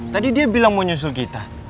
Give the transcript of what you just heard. tadi dia bilang mau nyusul kita